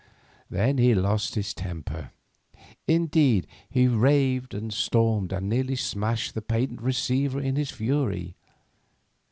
Then he lost his temper; indeed, he raved, and stormed, and nearly smashed the patent receiver in his fury.